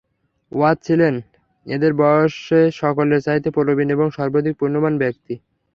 ওয়াদ ছিলেন এদের বয়সে সকলের চাইতে প্রবীণ এবং সর্বাধিক পুণ্যবান ব্যক্তি।